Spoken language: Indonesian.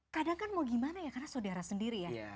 kadang kan mau gimana ya karena saudara sendiri ya